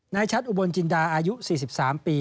ชัดอุบลจินดาอายุ๔๓ปี